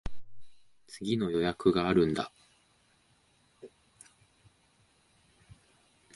次の予約があるんだ。